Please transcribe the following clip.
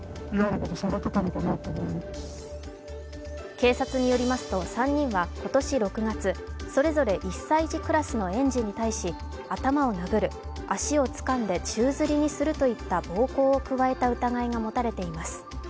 警察によりますと、３人は今年６月、それぞれ１歳児クラスの園児に対し頭を殴る足をつかんで宙づりにするといった暴行を加えた疑いが持たれています。